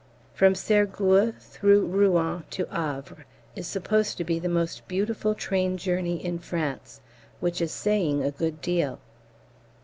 From Sergueux through Rouen to Havre is supposed to be the most beautiful train journey in France, which is saying a good deal.